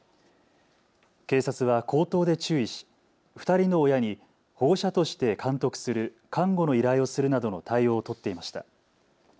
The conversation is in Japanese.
警察は口頭で注意し、２人の親に保護者として監督する監護の依頼をするなどの対応を取っていました。